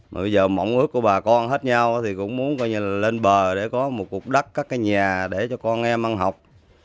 bây giờ mộng ước của bà con hết nhau thì cũng muốn lên bờ để có một cục đất các cái nhà để cho con em ăn học